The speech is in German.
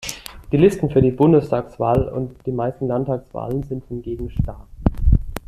Die Listen für die Bundestagswahl und die meisten Landtagswahlen sind hingegen starr.